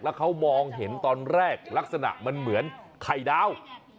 แล้วเขามองเห็นตอนแรกลักษณะมันเหมือนไข่ดาว